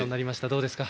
どうですか？